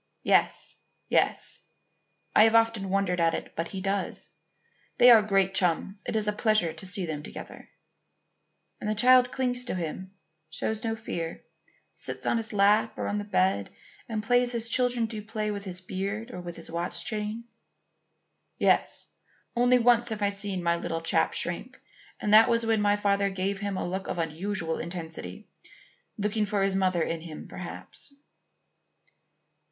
"Yes; yes. I have often wondered at it, but he does. They are great chums. It is a pleasure to see them together." "And the child clings to him shows no fear sits on his lap or on the bed and plays as children do play with his beard or with his watch chain?" "Yes. Only once have I seen my little chap shrink, and that was when my father gave him a look of unusual intensity, looking for his mother in him perhaps."